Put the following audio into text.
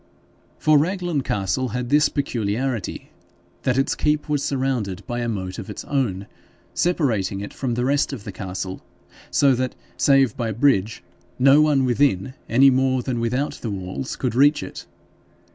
For Raglan Castle had this peculiarity, that its keep was surrounded by a moat of its own, separating it from the rest of the castle, so that, save by bridge, no one within any more than without the walls could reach it.